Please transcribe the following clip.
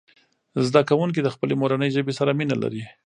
زده کوونکي د خپلې مورنۍ ژبې سره مینه لري.